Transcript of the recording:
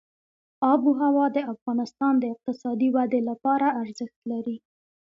آب وهوا د افغانستان د اقتصادي ودې لپاره ارزښت لري.